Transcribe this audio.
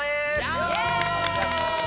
イエーイ！